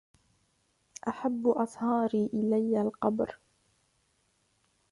أَحَبُّ أَصْهَارِي إلَيَّ الْقَبْرُ